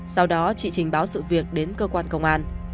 sau đó chị trình báo sự việc đến cơ quan công an